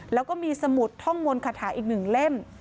แล้วก็มีสมุดท่องมนต์คาถาอีก๑เล่ม